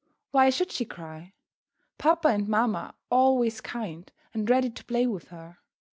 Why should she cry? Papa and mamma are always kind and ready to play with her.